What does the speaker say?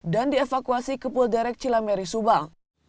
dan dievakuasi ke pool derek cilameri subang